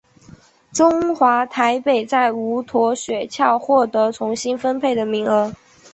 中华台北在无舵雪橇获得重新分配的名额。